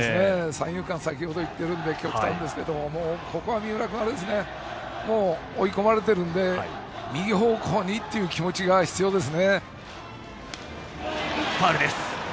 三遊間先程行っているので極端ですけどここは三浦君追い込まれいるので右方向にという気持ちが必要です。